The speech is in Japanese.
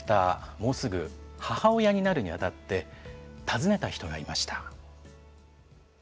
もうすぐ母親になるに当たって訪ねた人がいました。